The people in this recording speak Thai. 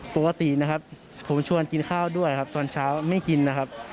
ปกตินะครับผมชวนกินข้าวด้วยครับตอนเช้าไม่กินนะครับ